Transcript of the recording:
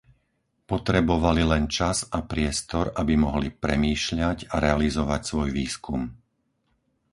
Potrebovali len čas a priestor, aby mohli premýšľať a realizovať svoj výskum.